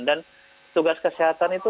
dan petugas kesehatan itu